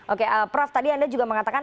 oke prof tadi anda juga mengatakan